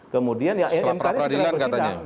kemudian ya mkd segera tersidang